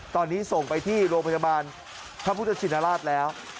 ตอนนี้ส่งไปที่โรงพยาบาลพระพุทธชินราชแล้ว